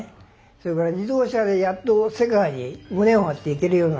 それから自動車でやっと世界に胸を張っていけるような時代になってたわけ。